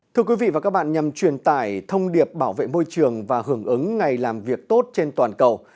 thưa quý vị và các bạn nhằm truyền tải thông điệp bảo vệ môi trường và hưởng ứng ngày làm việc tốt trên toàn cầu